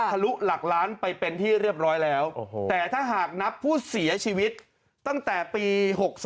ลุหลักล้านไปเป็นที่เรียบร้อยแล้วแต่ถ้าหากนับผู้เสียชีวิตตั้งแต่ปี๖๓